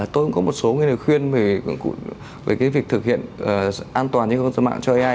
tôi cũng có một số nguyên liệu khuyên về việc thực hiện an toàn những công dân mạng cho ai